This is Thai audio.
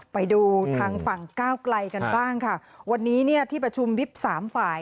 ไปดูทางฝั่งก้าวไกลกันบ้างค่ะวันนี้เนี่ยที่ประชุมวิบสามฝ่าย